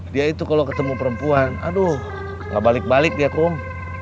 dia itu kalau ketemu perempuan aduh gak balik balik ya kang